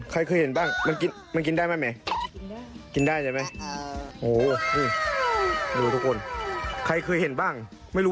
ไหนเห็นนะไม่เคยเห็นครับ